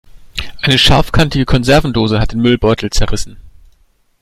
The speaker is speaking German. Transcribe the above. Eine scharfkantige Konservendose hat den Müllbeutel zerrissen.